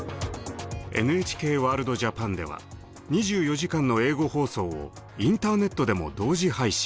「ＮＨＫワールドＪＡＰＡＮ」では２４時間の英語放送をインターネットでも同時配信。